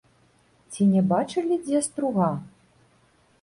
Ці не бачылі дзе струга?